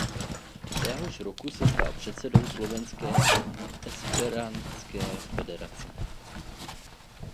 Téhož roku se stal předsedou Slovenské esperantské federace.